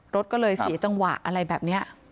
รถก็เลยเสียจังหวะอะไรแบบนี้